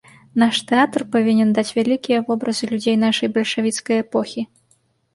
Наш тэатр павінен даць вялікія вобразы людзей нашай бальшавіцкай эпохі.